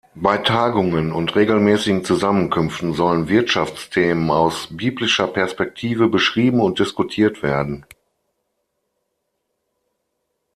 Bei Tagungen und regelmäßigen Zusammenkünften sollen Wirtschaftsthemen aus biblischer Perspektive beschrieben und diskutiert werden.